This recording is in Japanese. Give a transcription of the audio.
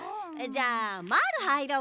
じゃあまぁるはいろうか。